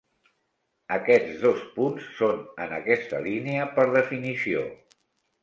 Aquests dos punts són en aquesta línia per definició.